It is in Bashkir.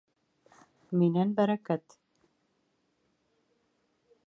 Минән бәрәкәт.